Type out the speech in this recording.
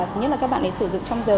thứ nhất là các bạn ấy sử dụng trong giờ